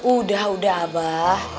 udah udah abah